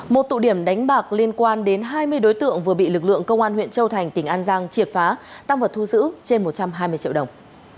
một tụ điểm đánh bạc liên quan đến hai mươi đối tượng vừa bị lực lượng công an huyện châu thành tỉnh an giang triệt phá tăng vật thu giữ trên một trăm hai mươi triệu đồng